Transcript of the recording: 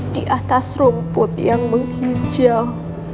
di atas rumput yang menghijau